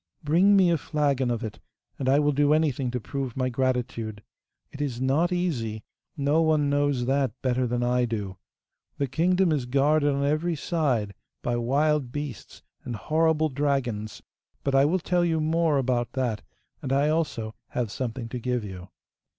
Bring me a flagon of it, and I will do anything to prove my gratitude. It is not easy! no one knows that better than I do! The kingdom is guarded on every side by wild beasts and horrible dragons; but I will tell you more about that, and I also have something to give you.